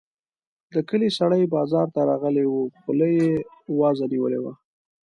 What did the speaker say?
د کلي سړی بازار ته راغلی وو؛ خوله يې وازه نيولې وه.